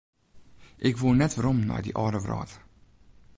Ik woe net werom nei dy âlde wrâld.